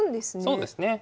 そうですね。